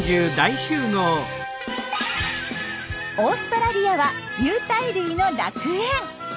オーストラリアは有袋類の楽園。